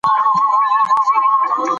خبر په ټوله نړۍ کې په چټکۍ خپریږي.